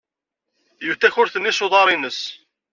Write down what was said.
Iwet takurt-nni s uḍar-nnes.